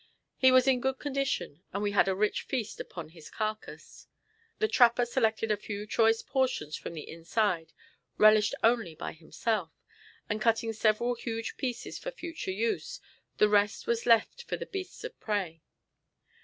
He was in good condition, and we had a rich feast upon his carcass. The trapper selected a few choice portions from the inside, relished only by himself, and cutting several huge pieces for future use, the rest was left for the beasts of prey.